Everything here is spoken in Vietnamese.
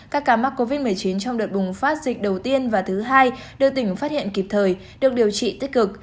các ca mắc covid một mươi chín trong đợt bùng phát dịch đầu tiên và thứ hai đưa tỉnh phát hiện kịp thời được điều trị tích cực